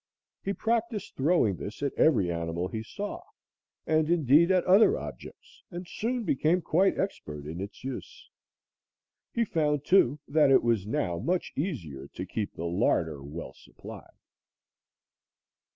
He practiced throwing this at every animal he saw, and, indeed, at other objects, and soon became quite expert in its use. He found, too, that it was now much easier to keep the larder well supplied.